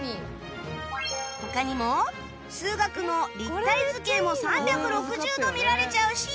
他にも数学の立体図形も３６０度見られちゃうし